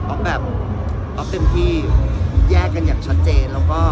ออกแบบออกเต็มที่แยกกันอย่างชัดเจน